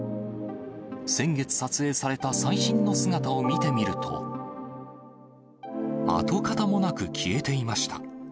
先月撮影された最新の姿を見てみると、跡形もなく消えていました。